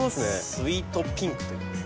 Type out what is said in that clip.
「スウィートピンク」っていいます。